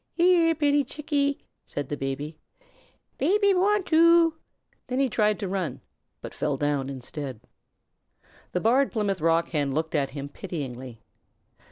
"Here, pitty Chickie!" said the Baby. "Baby want oo." Then he tried to run, and fell down instead. The Barred Plymouth Rock Hen looked at him pityingly.